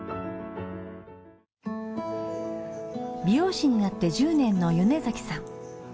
美容師になって１０年の米崎さん。